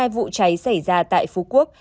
một mươi hai vụ cháy xảy ra tại phú quốc